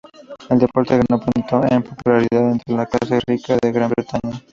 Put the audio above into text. El deporte ganó pronto en popularidad entre la clase rica de Gran Bretaña.